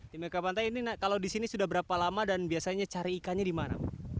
tim eka pantai ini kalau di sini sudah berapa lama dan biasanya cari ikannya di mana